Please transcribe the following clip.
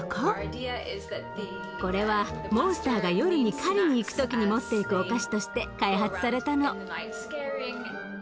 これはモンスターが夜に狩りに行く時に持っていくお菓子として開発されたの。